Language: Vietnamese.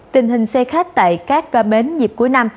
tình hình xe khách tại các bến dịp cuối năm